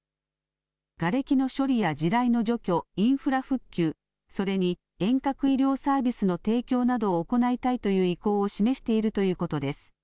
がれきの処理や地雷の除去、インフラ復旧、それに遠隔医療サービスの提供などを行いたいという意向を示しているということです。